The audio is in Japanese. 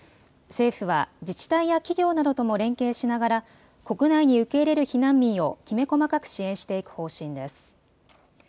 政府は自治体や企業などとも連携しながら国内に受け入れる避難民をきめ細かく支援していく方針です。